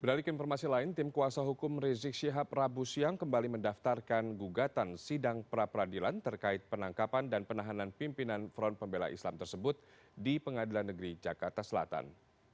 beralik informasi lain tim kuasa hukum rizik syihab rabu siang kembali mendaftarkan gugatan sidang pra peradilan terkait penangkapan dan penahanan pimpinan front pembela islam tersebut di pengadilan negeri jakarta selatan